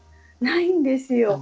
ないんですよ。